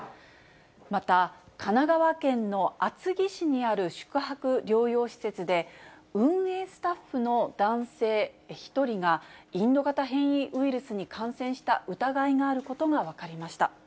また神奈川県の厚木市にある宿泊療養施設で、運営スタッフの男性１人が、インド型変異ウイルスに感染した疑いがあることが分かりました。